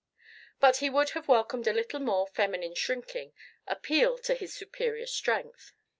But he would have welcomed a little more feminine shrinking, appeal to his superior strength.